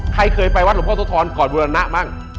ใครเข้าไปวัดหลวงพ่อโศธรณก่อนบรรณน่ะ